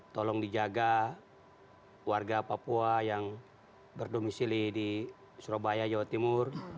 tolong dijaga warga papua yang berdomisili di surabaya jawa timur